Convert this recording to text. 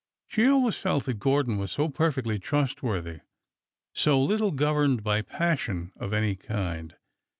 She always felt that Gordon was so perfectly trustworthy— so little governed by pas sion of any kind.